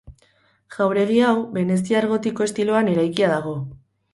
Jauregi hau veneziar gotiko estiloan eraikia dago.